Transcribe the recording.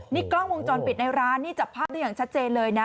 นี่กล้องวงจรปิดในร้านนี่จับภาพได้อย่างชัดเจนเลยนะ